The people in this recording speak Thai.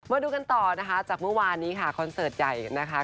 มาดูกันต่อนะคะจากเมื่อวานนี้ค่ะคอนเสิร์ตใหญ่นะคะ